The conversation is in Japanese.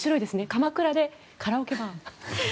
鎌倉でカラオケバー。